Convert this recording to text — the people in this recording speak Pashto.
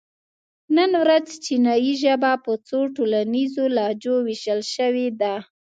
نن ورځ چینایي ژبه په څو ټولنیزو لهجو وېشل شوې ده.